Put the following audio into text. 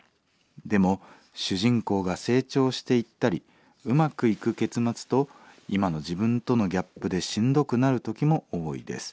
でも主人公が成長していったりうまくいく結末と今の自分とのギャップでしんどくなる時も多いです。